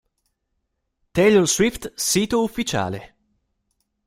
Taylor Swift Sito ufficiale